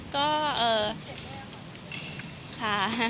ก็เอ่อค่ะ